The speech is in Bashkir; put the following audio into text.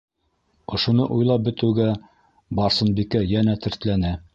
Ошоно уйлап бөтөүгә, Барсынбикә йәнә тертләне.